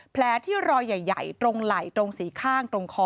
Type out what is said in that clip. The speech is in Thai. แผลที่รอยใหญ่ตรงไหล่ตรงสีข้างตรงคอ